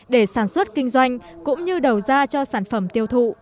để sản xuất kinh doanh cũng như đầu ra cho sản phẩm tiêu thụ